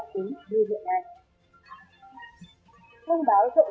hạn chế đi vào khu vực thức công